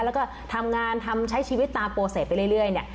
แล้วก็ทำงานทำใช้ชีวิตตามโปรเศษไปเรื่อยเนี่ย